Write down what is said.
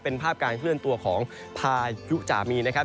เป็นภาพการเคลื่อนตัวของพายุจามีนะครับ